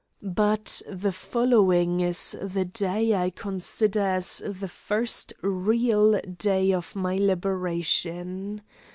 But the following is the day I consider as the first real day of my liberation.